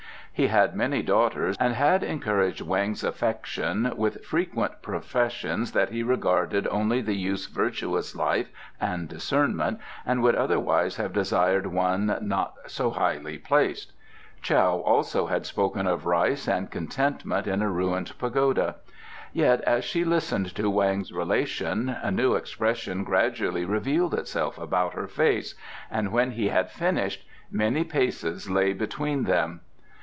He had many daughters, and had encouraged Weng's affection, with frequent professions that he regarded only the youth's virtuous life and discernment, and would otherwise have desired one not so highly placed. Tiao also had spoken of rice and contentment in a ruined pagoda. Yet as she listened to Weng's relation a new expression gradually revealed itself about her face, and when he had finished many paces lay between them.